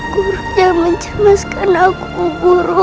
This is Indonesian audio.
guru jangan mencermaskan aku guru